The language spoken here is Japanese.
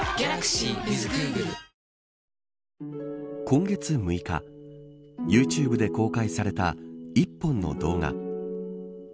今月６日ユーチューブで公開された１本の動画。